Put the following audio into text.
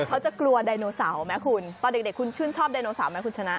เขาจะกลัวไดโนเสาร์ไหมคุณตอนเด็กคุณชื่นชอบไดโนเสาร์ไหมคุณชนะ